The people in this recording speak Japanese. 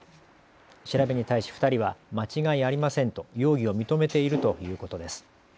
調べに対し２人は間違いありませんと容疑を認めているということです。